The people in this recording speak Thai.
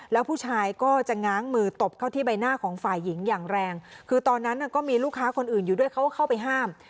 แล้วผู้ชายก็จะง้างมือตบเข้าที่ใบหน้าของฝ่ายหญิงอย่างแรงคือตอนนั้นก็มีลูกค้าคนอื่นอยู่ด้วยเขาก็เข้าไปห้าม